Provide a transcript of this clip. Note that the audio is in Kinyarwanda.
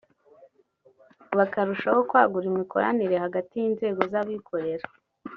bakarushaho kwagura imikoranire hagati y’inzego z’abikorera